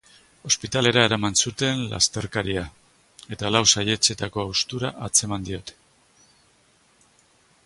Ospitalera eraman zuten lasterkaria eta lau saihetsetako haustura atzeman diote.